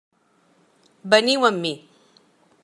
Veniu amb mi.